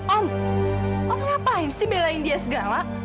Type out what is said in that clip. om om ngapain sih belaing dia segala